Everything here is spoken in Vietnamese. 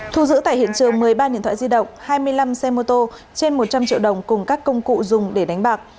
thu giữ tại hiện trường một mươi ba điện thoại di động hai mươi năm xe mô tô trên một trăm linh triệu đồng cùng các công cụ dùng để đánh bạc